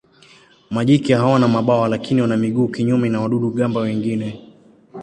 Majike hawana mabawa lakini wana miguu kinyume na wadudu-gamba wengine.